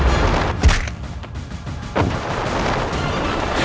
jangan lupa untuk berhenti